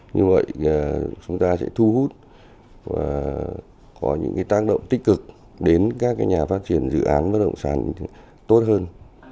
như vậy chúng ta sẽ thu hút và có những tác động tích cực đến các nhà phát triển dự án bất động sản tốt hơn